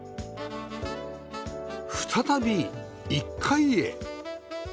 再び１階へ